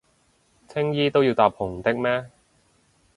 青衣都要搭紅的咩？